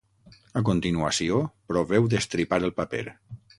A continuació, proveu d'estripar el paper.